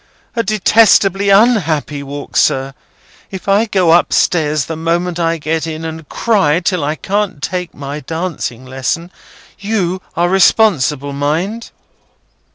A detestably unhappy walk, sir. If I go up stairs the moment I get in and cry till I can't take my dancing lesson, you are responsible, mind!"